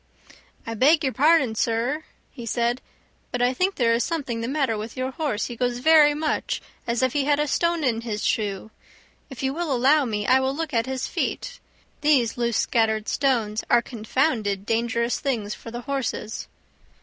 "I beg your pardon, sir," he said, "but I think there is something the matter with your horse; he goes very much as if he had a stone in his shoe. If you will allow me I will look at his feet; these loose scattered stones are confounded dangerous things for the horses."